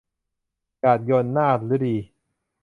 หยาดชล - นาถฤดี